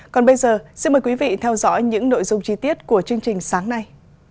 còn bây giờ xin mời quý vị theo dõi những nội dung chi tiết của chương trình sáng nay